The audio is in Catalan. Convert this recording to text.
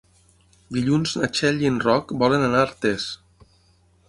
Dilluns na Txell i en Roc volen anar a Artés.